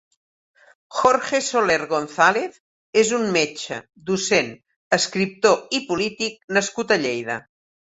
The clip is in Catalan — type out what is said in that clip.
Jorge Soler González és un metge, docent, escriptor i polític nascut a Lleida.